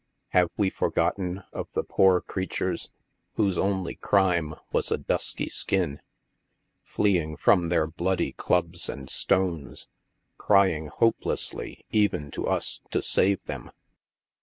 Have we forgotten of the poor creat ures, whose only crime was a dusky skin, fleeing from their bloody clubs and stones, crying hopelessly even to us to save them